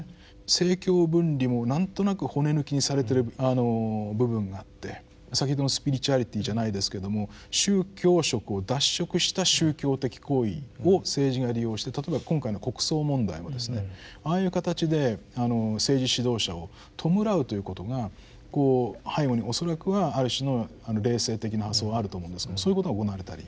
政教分離も何となく骨抜きにされてる部分があって先ほどのスピリチュアリティじゃないですけども宗教色を脱色した宗教的行為を政治が利用して例えば今回の国葬問題もですねああいう形で政治指導者を弔うということが背後に恐らくはある種の霊性的な発想あると思うんですけれどもそういうことが行われたり。